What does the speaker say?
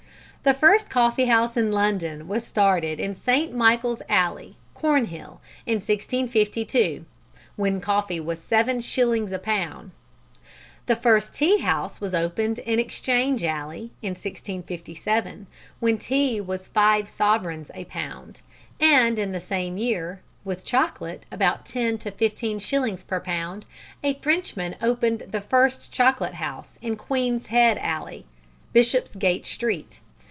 The first coffee house in London was started in St. Michael's Alley, Cornhill, in 1652 (when coffee was seven shillings a pound); the first tea house was opened in Exchange Alley in 1657 (when tea was five sovereigns a pound), and in the same year (with chocolate about ten to fifteen shillings per pound) a Frenchman opened the first chocolate house in Queen's Head Alley, Bishopsgate Street.